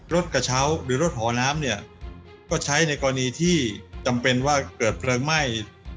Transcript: รถกระเช้าหรือรถหอน้ำเนี่ยก็ใช้ในกรณีที่จำเป็นว่าเกิดเพลิงไหม้